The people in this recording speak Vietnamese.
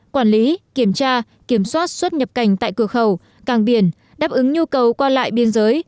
quản lý kiểm tra kiểm soát xuất nhập cảnh tại cửa khẩu càng biển đáp ứng nhu cầu qua lại biên giới